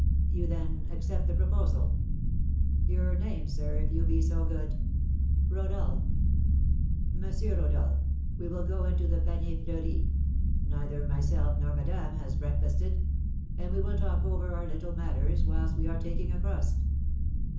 "You, then, accept the proposal?" "Your name, sir, if you be so good?" "Rodolph." "M. Rodolph, we will go into the Panier Fleuri, neither myself nor madame has breakfasted, and we will talk over our little matters whilst we are taking a crust."